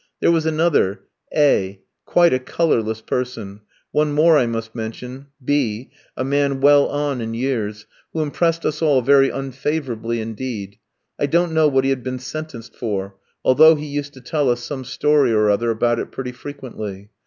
There was another, A tchoukooski, quite a colourless person; one more I must mention, B in, a man well on in years, who impressed us all very unfavourably indeed. I don't know what he had been sentenced for, although he used to tell us some story or other about it pretty frequently.